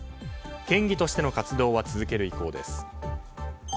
県議としての活動は続ける意向です。